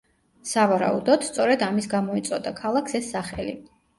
სავარაუდოდ, სწორედ ამის გამო ეწოდა ქალაქს ეს სახელი.